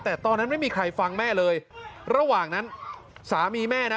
แต่ตอนนั้นไม่มีใครฟังแม่เลยระหว่างนั้นสามีแม่นะ